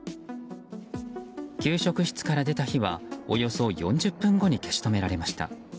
給食室から出た火はおよそ４０分後に消し止められました。